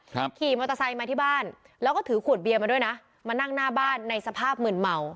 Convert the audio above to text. ขี่มอเตอร์ไซค์มาที่บ้านแล้วก็ถือขวดเบียร์มาด้วยนะมานั่งหน้าบ้านในสภาพหมื่นเมา